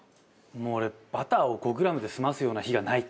もう俺バターを５グラムで済ますような日がない。